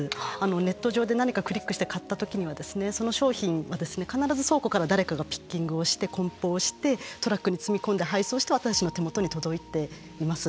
ネット上で何かクリックして買った時にはその商品は必ず倉庫から誰かがピッキングをしてこん包してトラックに積み込んで配送して私たちの手元に届いています。